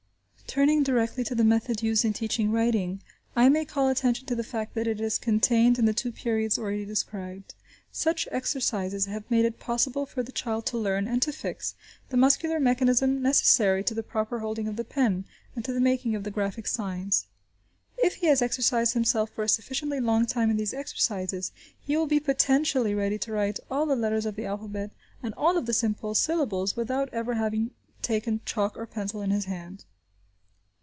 Turning directly to the method used in teaching writing, I may call attention to the fact that it is contained in the two periods already described. Such exercises have made it possible for the child to learn, and to fix, the muscular mechanism necessary to the proper holding of the pen, and to the making of the graphic signs. If he has exercised himself for a sufficiently long time in these exercises, he will be potentially ready to write all the letters of the alphabet and all of the simple syllables, without ever having taken chalk or pencil in his hand.